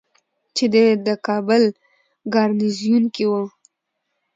چې دی د کابل ګارنیزیون کې ؤ